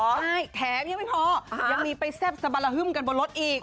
ใช่แถมยังไม่พอยังมีไปแซ่บสะบะละฮึ่มกันบนรถอีก